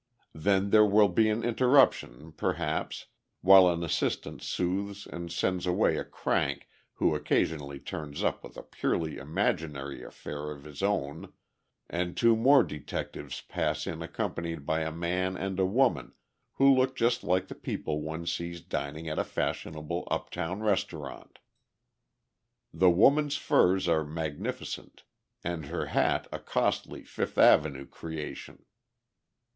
Then there will be an interruption, perhaps, while an assistant soothes and sends away a crank who occasionally turns up with a purely imaginary affair of his own, and two more detectives pass in accompanied by a man and a woman who look just like the people one sees dining at a fashionable uptown restaurant. The woman's furs are magnificent, and her hat a costly Fifth avenue creation.